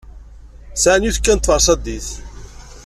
Sɛan yiwet kan n tferṣadit.